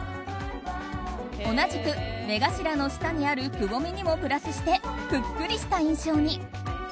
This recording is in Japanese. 同じく目頭の下にあるくぼみにもプラスしてぷっくりした印象に。